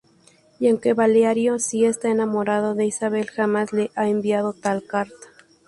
Y aunque Valerio si está enamorado de Isabel, jamás le ha enviado tal carta.